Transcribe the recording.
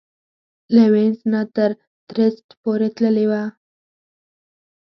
له وینس نه تر ترېسټ پورې تللې وه.